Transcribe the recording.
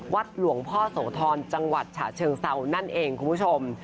วัดหลวงพ่อโสธรจังหวัดฉะเชิงเซานั่นเองคุณผู้ชม